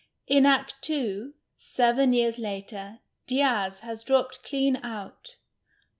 In Act II. (seven years later) Diaz has dropped clean out.